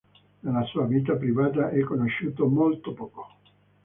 Della sua vita privata è conosciuto molto poco.